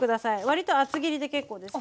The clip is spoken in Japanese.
割と厚切りで結構です。